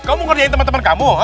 kau mau ngerjain temen temen kamu